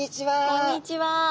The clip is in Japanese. こんにちは。